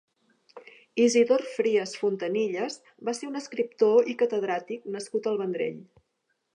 Isidor Frias Fontanilles va ser un escriptor i catedràtic nascut al Vendrell.